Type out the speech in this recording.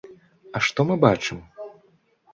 А што мы бачым?